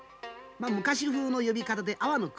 昔風の呼び方で安房国。